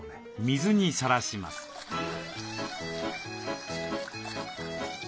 水にさらします。